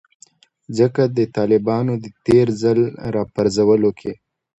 ځکه د طالبانو د تیر ځل راپرځولو کې